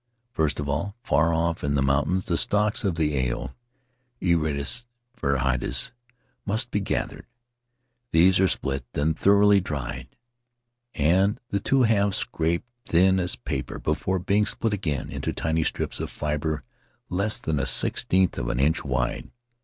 First of all — far off in the mountains — the stalks of aelio {Erianthus floridulus) must be gathered. These are split when thoroughly dry, and the two halves scraped thin as paper before being split again into tiny strips of fiber less than a sixteenth of an inch wide.